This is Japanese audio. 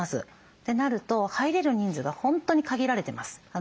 ってなると入れる人数が本当に限られてます。